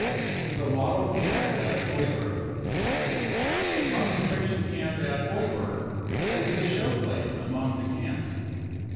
The Model Camp at Heuberg. The concentration camp at Heuberg is the show place among the camps.